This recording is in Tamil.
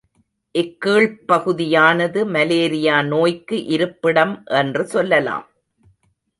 இக்கீழ்ப் பகுதியானது மலேரியா நோய்க்கு இருப்பிடம் என்று சொல்லலாம்.